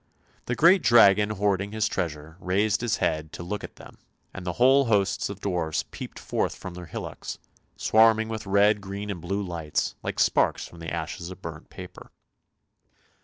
The great dragon hoarding his treasure raised his head to look at them, and whole hosts of dwarfs peeped forth from their hillocks, swarming with red, green, and blue lights, like sparks from the ashes of burnt paper.